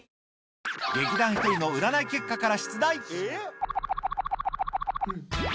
劇団ひとりの占い結果から